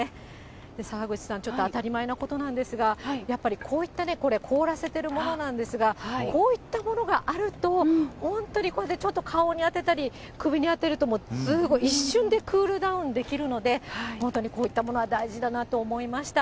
澤口さん、ちょっと当たり前なことなんですが、やっぱりこういったね、これ、凍らせているものなんですが、こういったものがあると、本当にこれでちょっと顔に当てたり、首に当てるともうすごい、一瞬でクールダウンできるので、本当にこういったものは大事だなと思いました。